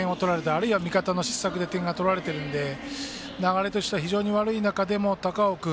あるいは味方の失策で点が取られてるので流れとしては非常に悪い中でも高尾君。